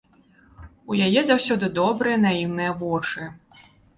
У яе заўсёды добрыя, наіўныя вочы.